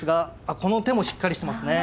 あっこの手もしっかりしてますね。